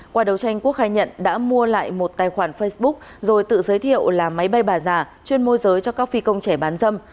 qua đấu tranh quốc khai nhận đã mua lại một tài khoản facebook rồi tự giới thiệu là máy bay bà giả chuyên môi giới cho các phi công trẻ bán dâm